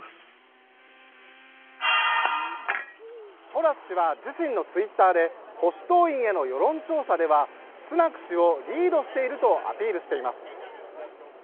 トラス氏は自身のツイッターで保守党員への世論調査ではスナク氏をリードしているとアピールしています。